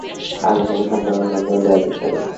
আমি তাকে সান্ত্বনাটান্ত্বনা দিতে চেষ্টা করি।